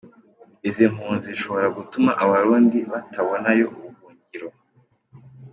Izi mpunzi zishobora gutuma Abarundi batabonayo ubuhungiro.